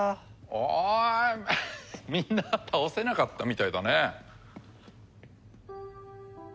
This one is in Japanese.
おおみんな倒せなかったみたいだね。